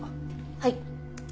はい。